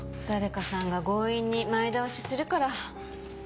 誰かさんが強引に前倒しするから。